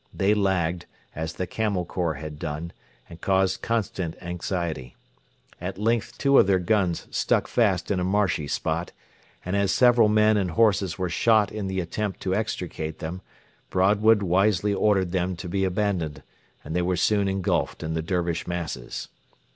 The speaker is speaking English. They lagged, as the Camel Corps had done, and caused constant anxiety. At length two of their guns stuck fast in a marshy spot, and as several men and horses were shot in the attempt to extricate them Broadwood wisely ordered them to be abandoned, and they were soon engulfed in the Dervish masses.